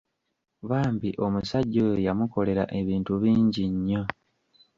Bambi omusajja oyo yamukolera ebintu bingi nnyo!